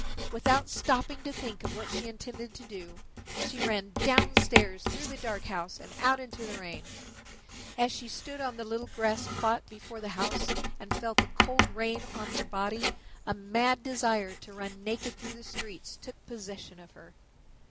Without stopping to think of what she intended to do, she ran downstairs through the dark house and out into the rain. As she stood on the little grass plot before the house and felt the cold rain on her body a mad desire to run naked through the streets took possession of her.